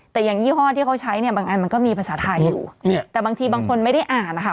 แต่อย่างยี่ห้อที่เขาใช้เนี่ยบางอันมันก็มีภาษาไทยอยู่เนี่ยแต่บางทีบางคนไม่ได้อ่านนะคะ